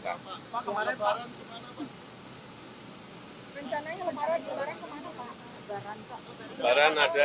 pak kemarin barang kemana pak